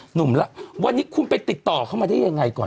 หนุ่มละวันนี้คุณไปติดต่อเข้ามาได้ยังไงก่อน